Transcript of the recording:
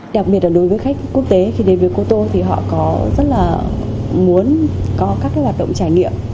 đặc biệt là đối với khách quốc tế khi đến với cô tô thì họ có rất là muốn có các hoạt động trải nghiệm